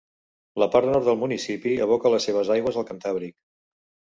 La part nord del municipi aboca les seves aigües al Cantàbric.